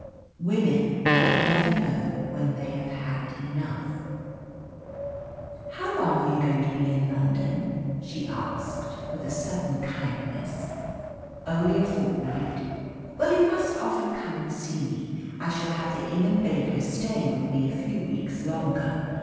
Women never know when they have had enough. "How long are you to be in London?" she asked, with a sudden kindness. "Only a fortnight." "Well, you must often come and see me. I shall have the Ingham Bakers staying with me a few weeks longer.